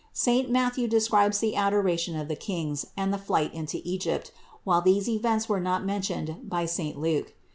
Saint Matthew de scribes the adoration of the Kings and the flight into Egypt, while these events were not mentioned by saint Luke.